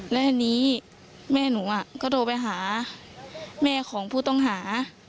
และทีนี้แม่หนูก็โทรไปหาแม่ของผู้ต้องหา